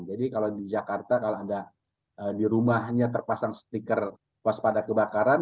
jadi kalau di jakarta kalau ada di rumahnya terpasang stiker waspada kebakaran